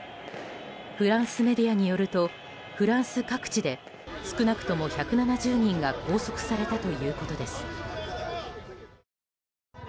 フランスメディアによるとフランス各地で少なくとも１７０人が拘束されたということです。